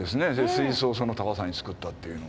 水槽をその高さに造ったっていうのは。